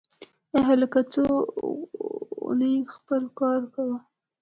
ای هلکه ځه غولی خپل کار کوه